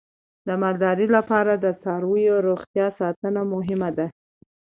د مالدارۍ لپاره د څارویو روغتیا ساتنه مهمه ده.